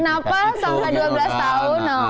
kenapa selama dua belas tahun